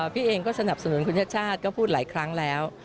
พี่เองก็สนับสนุนคุณชาติชาติก็พูดหลายครั้งแล้ว